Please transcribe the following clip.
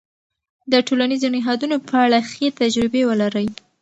د ټولنيزو نهادونو په اړه ښې تجربې ولرئ.